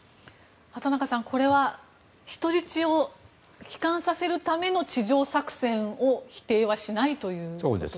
畑中さん、これは人質を帰還させるための地上作戦を否定しないということですか？